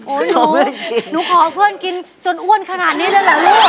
หนูหนูขอเพื่อนกินจนอ้วนขนาดนี้เลยเหรอลูก